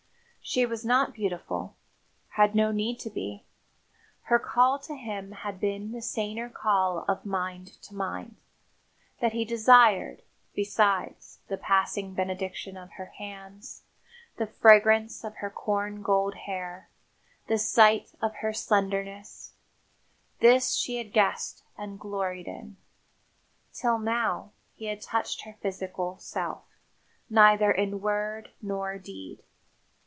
She was not beautiful had no need to be. Her call to him had been the saner call of mind to mind. That he desired, besides, the passing benediction of her hands, the fragrance of her corn gold hair, the sight of her slenderness: this she had guessed and gloried in. Till now, he had touched her physical self neither in word nor deed.